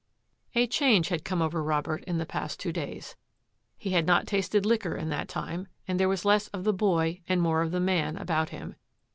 A change had come over Robert in the past two days. He had not tasted liquor in that time and there was less of the boy and more of the man about him.